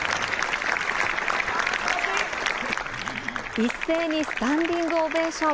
一斉にスタンディングオベーション。